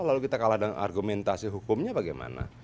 lalu kita kalah dengan argumentasi hukumnya bagaimana